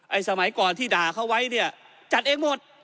สมัยก่อนที่ด่าเขาไว้เนี่ยจัดเองหมด